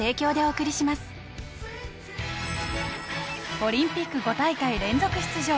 オリンピック５大会連続出場。